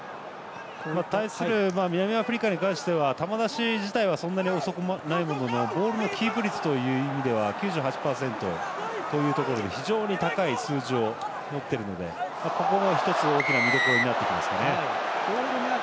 対する、南アフリカに関しては球出しはそんなに遅くないもののボールのキープ率という意味では９８％というところで非常に高い数字を持っているのでここも一つ、大きな見どころになってきますね。